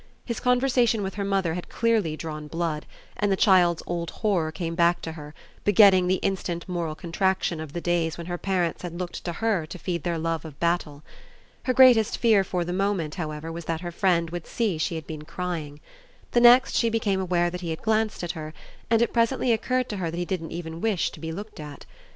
His conversation with her mother had clearly drawn blood, and the child's old horror came back to her, begetting the instant moral contraction of the days when her parents had looked to her to feed their love of battle. Her greatest fear for the moment, however, was that her friend would see she had been crying. The next she became aware that he had glanced at her, and it presently occurred to her that he didn't even wish to be looked at.